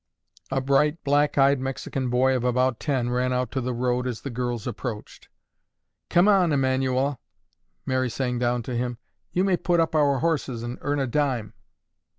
A bright, black eyed Mexican boy of about ten ran out to the road as the girls approached. "Come on, Emanuel," Mary sang down to him. "You may put up our horses and earn a dime."